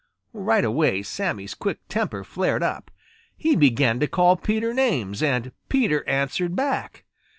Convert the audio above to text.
Right away Sammy's quick temper flared up. He began to call Peter names, and Peter answered back.